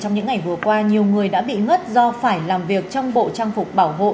trong những ngày vừa qua nhiều người đã bị ngất do phải làm việc trong bộ trang phục bảo hộ